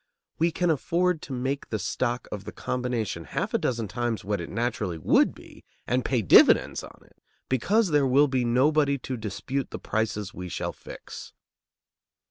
We can afford to make the stock of the combination half a dozen times what it naturally would be and pay dividends on it, because there will be nobody to dispute the prices we shall fix.